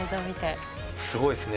すごいですね。